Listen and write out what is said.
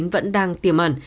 vẫn đang tiềm ẩn